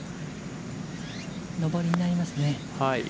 上りになりますね。